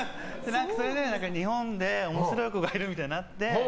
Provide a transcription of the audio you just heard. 日本で面白い子がいるみたいになって。